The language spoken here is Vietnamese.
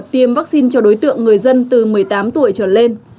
tiêm vaccine cho đối tượng người dân từ một mươi tám tuổi trở lên